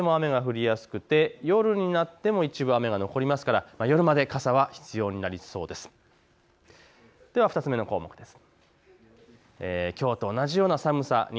その後、夕方にかけても雨が降りやすくて夜になっても一部雨が残りますから夜まで傘は必要になりそうです。